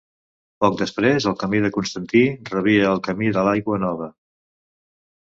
Poc després el camí de Constantí rebia el Camí de l'Aigua Nova.